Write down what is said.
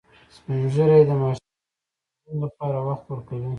سپین ږیری د ماشومانو د روزنې لپاره وخت ورکوي